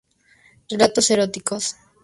Relatos eróticos".